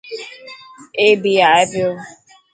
اي بي ائي پيو.